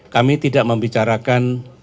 kami tidak membicarakan